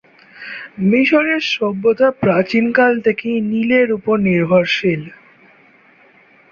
মিশরের সভ্যতা প্রাচীন কাল থেকেই নীলের উপর নির্ভরশীল।